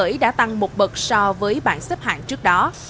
đồng khởi đã tăng một bậc so với bản xếp hạng trước đó